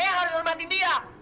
eyang harus hormatin dia